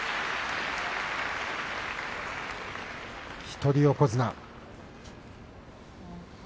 一人横綱。